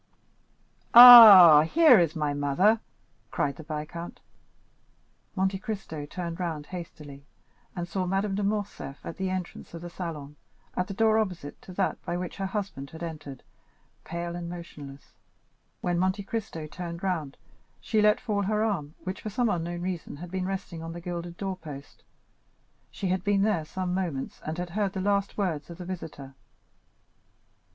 "Ah, here is my mother," cried the viscount. Monte Cristo, turned round hastily, and saw Madame de Morcerf at the entrance of the salon, at the door opposite to that by which her husband had entered, pale and motionless; when Monte Cristo turned round, she let fall her arm, which for some unknown reason had been resting on the gilded door post. She had been there some moments, and had heard the last words of the visitor.